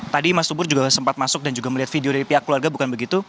tadi mas tubur juga sempat masuk dan juga melihat video dari pihak keluarga bukan begitu